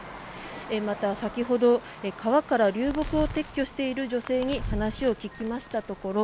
また、先ほど川から流木を撤去している女性に話を聞きましたところ